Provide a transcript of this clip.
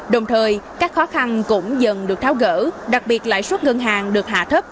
đồng thời các khó khăn cũng dần được tháo gỡ đặc biệt lãi suất ngân hàng được hạ thấp